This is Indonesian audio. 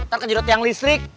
ntar kan juga tiang listrik